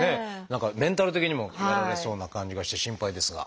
何かメンタル的にもやられそうな感じがして心配ですが。